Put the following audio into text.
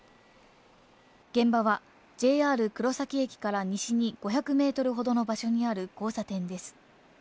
現場はＪＲ黒崎駅から西に５００メートルほどの場所にある交差点です。